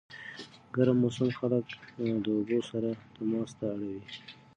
ګرم موسم خلک د اوبو سره تماس ته اړوي.